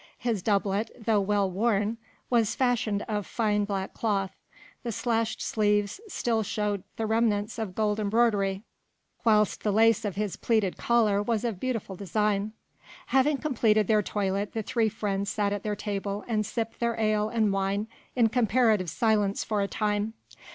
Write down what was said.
His doublet though well worn was fashioned of fine black cloth, the slashed sleeves still showed the remnants of gold embroidery, whilst the lace of his pleated collar was of beautiful design. Having completed their toilet the three friends sat at their table and sipped their ale and wine in comparative silence for a time.